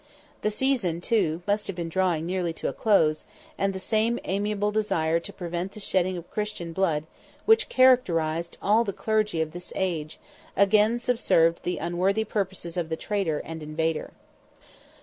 The season, too, must have been drawing nearly to a close, and the same amiable desire to prevent the shedding of Christian blood, which characterized all the clergy of this age, again subserved the unworthy purposes of the traitor and invader.